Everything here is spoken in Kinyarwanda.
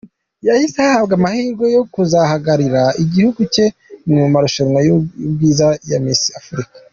Yahise ahabwa amahirwe yo kuzahagararira igihugu cye mu marushanwa y’ubwiza ya Miss Africa.